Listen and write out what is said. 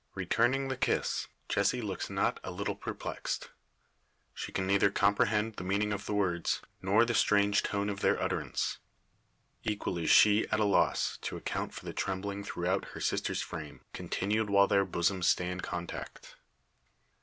Returning the kiss, Jessie looks not a little perplexed. She can neither comprehend the meaning of the words, nor the strange tone of their utterance. Equally is she at a loss to account for the trembling throughout her sister's frame, continued while their bosoms stay in contact.